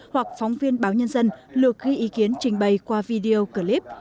hoặc phóng viên báo nhân dân lược ghi ý kiến trình bày qua video clip